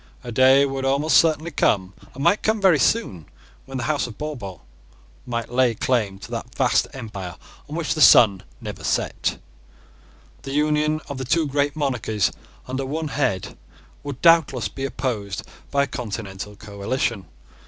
A day would almost certainly come, and might come very soon, when the House of Bourbon might lay claim to that vast empire on which the sun never set. The union of two great monarchies under one head would doubtless be opposed by a continental coalition.